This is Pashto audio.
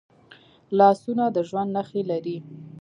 لاسونه د ژوند نښې لري